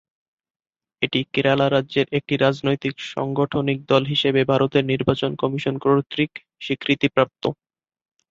এটি কেরালা রাজ্যর একটি রাজনৈতিক সাংগঠনিক দল হিসেবে ভারতের নির্বাচন কমিশন কর্তৃক স্বীকৃতিপ্রাপ্ত।